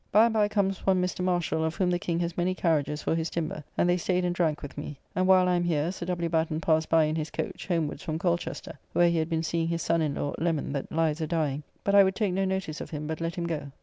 By and by comes one Mr. Marshall, of whom the King has many carriages for his timber, and they staid and drank with me, and while I am here, Sir W. Batten passed by in his coach, homewards from Colchester, where he had been seeing his son in law, Lemon, that lies a dying, but I would take no notice of him, but let him go.